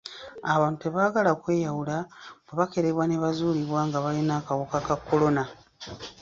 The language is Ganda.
Abantu tebaagala kweyawula bwe bakeberebwa ne kizuulibwa nga balina akawuka ka kolona.